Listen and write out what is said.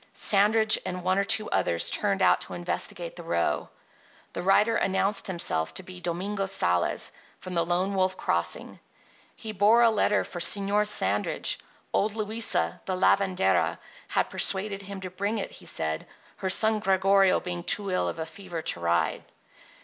Sandridge and one or two others turned out to investigate the row. The rider announced himself to be Domingo Sales, from the Lone Wolf Crossing. he bore a letter for Señor Sandridge. Old Luisa, the lavendera, had persuaded him to bring it, he said, her son Gregorio being too ill of a fever to ride.